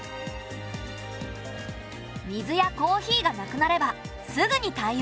水やコーヒーがなくなればすぐに対応。